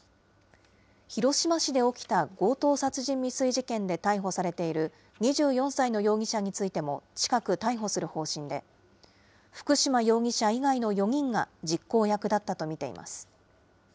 広島市で起きた強盗殺人未遂事件で逮捕されている２４歳の容疑者についても、近く逮捕する方針で、福島容疑者以外の４人が実行役だったと見ています。